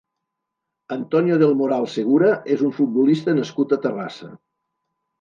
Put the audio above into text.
Antonio del Moral Segura és un futbolista nascut a Terrassa.